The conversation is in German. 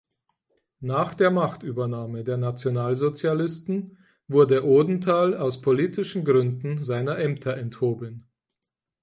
Nach der Machtübernahme der Nationalsozialisten wurde Odenthal aus politischen Gründen seiner Ämter enthoben.